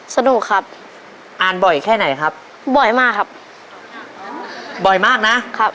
สนุกครับอ่านบ่อยแค่ไหนครับบ่อยมากครับบ่อยมากนะครับ